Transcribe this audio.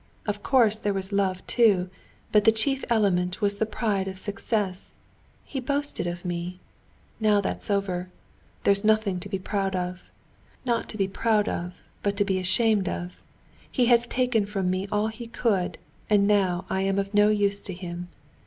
Of course there was love too, but the chief element was the pride of success. He boasted of me. Now that's over. There's nothing to be proud of. Not to be proud of, but to be ashamed of. He has taken from me all he could, and now I am no use to him.